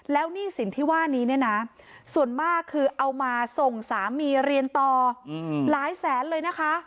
แล้วหนี้สินที่ว่านี้เนี่ยนะส่วนมากคือเอามาส่งสามีเรียนต่อหลายแสนเลยนะคะ